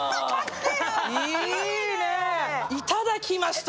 いいね、いただきました